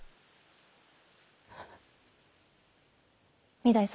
御台様。